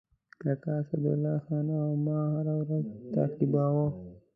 کاکا اسدالله خان او ما هره ورځ تعقیباوه.